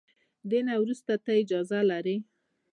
دې نه وروسته ته اجازه لري.